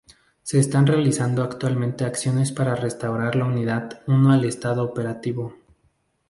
Se están realizando actualmente acciones para restaurar la Unidad Uno al estado operativo.